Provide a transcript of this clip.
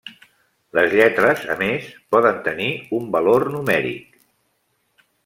Les lletres, a més, poden tenir un valor numèric.